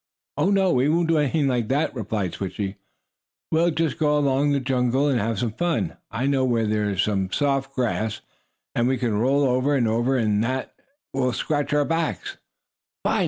"Oh, no, we won't do anything like that!" replied Switchie. "We'll just go along in the jungle and have some fun. I know where there is some soft grass, and we can roll over and over in that and scratch our backs." "Fine!"